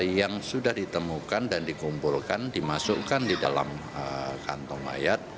yang sudah ditemukan dan dikumpulkan dimasukkan di dalam kantong ayat